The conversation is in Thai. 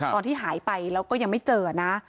ตอนที่หายไปแล้วก็ยังไม่เจอนะ